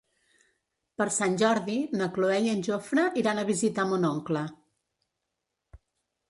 Per Sant Jordi na Cloè i en Jofre iran a visitar mon oncle.